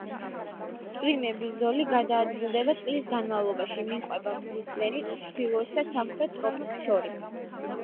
წვიმების ზოლი გადაადგილდება წლის განმავლობაში, მიჰყვება მზის ზენიტს ჩრდილოეთ და სამხრეთ ტროპიკს შორის.